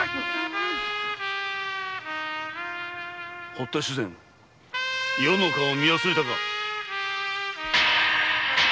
堀田主膳余の顔見忘れたか！